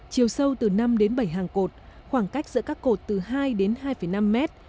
chiều sâu từ năm đến bảy hàng cột khoảng cách giữa các cột từ hai đến hai năm mét